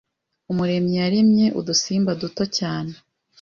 Umuremyi yaremye udusimba duto cyane